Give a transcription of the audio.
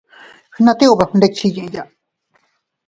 Ngaʼa ti ubekundikchi yiya.